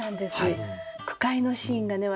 句会のシーンがね